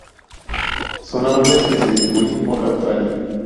Son árboles que se distribuyen por Australia.